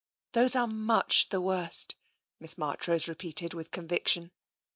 " Those are much the worst," Miss Marchrose re peated, with conviction.